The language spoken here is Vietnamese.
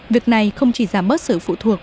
việc này không chỉ giảm bớt sự phụ thuộc